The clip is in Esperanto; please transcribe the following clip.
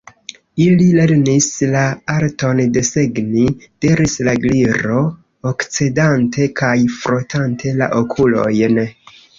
"Ili lernis la arton desegni," diris la Gliro, oscedante kaj frotante la okulojn.